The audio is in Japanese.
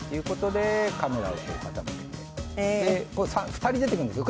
２人出てくるんですよ。